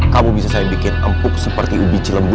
kamu bisa saya bikin empuk seperti ubi cilembu